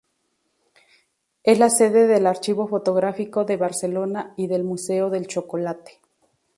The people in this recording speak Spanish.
Es la sede del Archivo Fotográfico de Barcelona y del Museo del Chocolate.